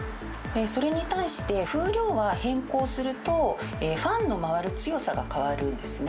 それに対して、風量は変更すると、ファンの回る強さが変わるんですね。